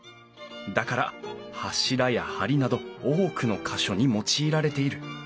だから柱や梁など多くの箇所に用いられている。